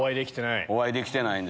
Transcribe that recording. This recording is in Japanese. お会いできてない？